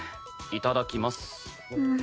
いただきます。